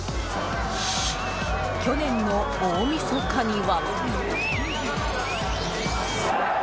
去年の大みそかには。